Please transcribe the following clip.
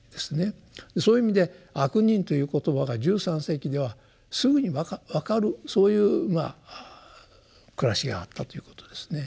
そういう意味で「悪人」という言葉が１３世紀ではすぐに分かるそういう暮らしがあったということですね。